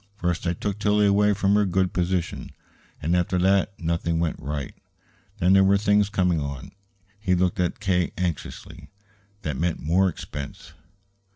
First I took Tillie away from her good position, and after that nothing went right. Then there were things coming on" he looked at K. anxiously "that meant more expense.